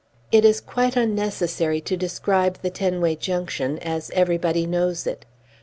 It is quite unnecessary to describe the Tenway Junction, as everybody knows it.